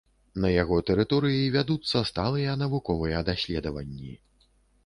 На яго тэрыторыі вядуцца сталыя навуковыя даследаванні.